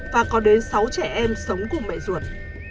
và có đến sáu trẻ em sống cùng mẹ ruột